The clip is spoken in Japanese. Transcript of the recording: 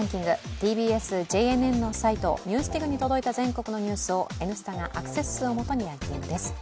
ＴＢＳ・ＪＮＮのサイト「ＮＥＷＳＤＩＧ」に届いたニュースを「Ｎスタ」がアクセス数をもとにランキングです。